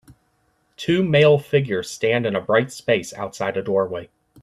Two male figures stand in a bright space outside a doorway.